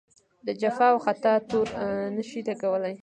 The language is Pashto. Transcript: د جفا او خطا تور نه شي لګولای.